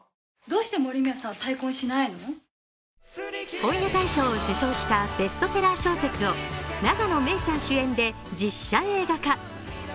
本屋大賞を受賞したベストセラー小説を永野芽郁さん主演で実写映画化。